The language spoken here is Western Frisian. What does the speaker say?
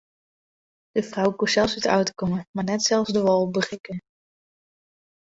De frou koe sels út de auto komme mar net sels de wâl berikke.